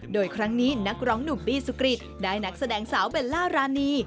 โดยครั้งนี้นักร้องหนุ่มบี้สุกริตได้นักแสดงสาวเบลล่ารานี